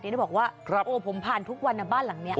ได้บอกว่าโอ้ผมผ่านทุกวันนะบ้านหลังนี้